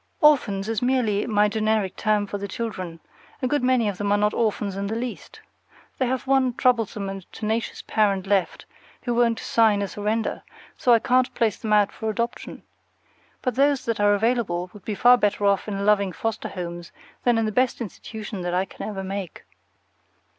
"Orphans" is merely my generic term for the children; a good many of them are not orphans in the least. They have one troublesome and tenacious parent left who won't sign a surrender, so I can't place them out for adoption. But those that are available would be far better off in loving foster homes than in the best institution that I can ever make.